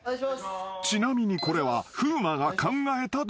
［ちなみにこれは風磨が考えたドッキリ］